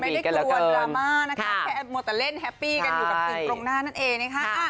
ไม่ได้กลัวดราม่านะคะแค่มัวแต่เล่นแฮปปี้กันอยู่กับสิ่งตรงหน้านั่นเองนะคะ